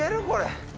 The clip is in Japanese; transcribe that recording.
これ。